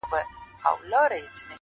مړه راگوري مړه اكثر.